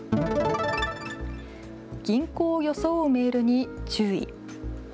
銀行を装うメールに注意。